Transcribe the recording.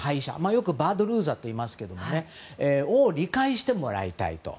よくバッドルーザーと言いますけどもそれを理解してもらいたいと。